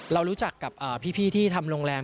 เรารู้จักกับพี่ที่ทำโรงแรม